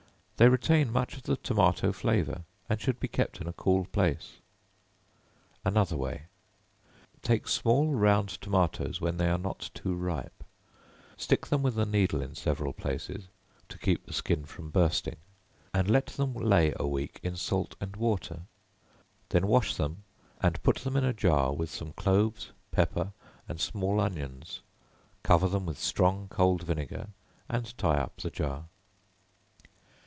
They retain much of the tomato flavor, and should be kept in a cool place. Another Way. Take small round tomatoes when they are not too ripe; stick them with a needle in several places, to keep the skin from bursting, and let them lay a week in salt and water; then wash them and put them in a jar with some cloves, pepper and small onions; cover them with strong cold vinegar, and tie up the jar.